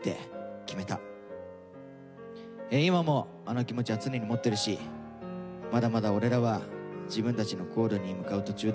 今もあの気持ちは常に持ってるしまだまだ俺らは自分たちのゴールに向かう途中だよね。